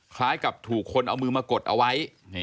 คล้ายกับถูกคนเอามือมากดเอาไว้